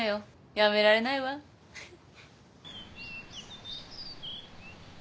やめられないわフフッ。